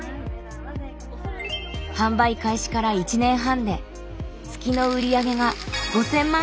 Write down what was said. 販売開始から１年半で月の売上が５０００万円を突破。